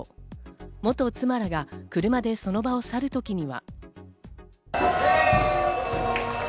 元妻らが車でその場を去る時には。